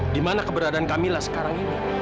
di mana keberadaan kamilah sekarang ini